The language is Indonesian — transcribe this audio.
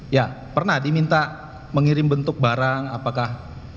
ya pernah diminta mengirim bentuk barang apakah